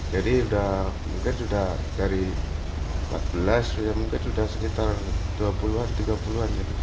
jadi mungkin sudah dari empat belas mungkin sudah sekitar dua puluh an tiga puluh an